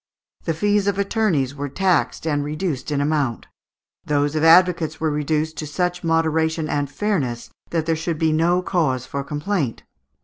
The fees of attorneys were taxed and reduced in amount. Those of advocates were reduced "to such moderation and fairness, that there should be no cause for complaint."